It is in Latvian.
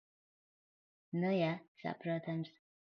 Nu ja. Saprotams.